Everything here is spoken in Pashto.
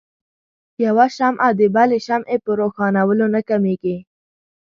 يوه شمعه د بلې شمعې په روښانؤلو نه کميږي.